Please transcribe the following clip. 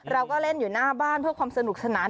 เราก็เล่นอยู่หน้าบ้านเพื่อความสนุกสนาน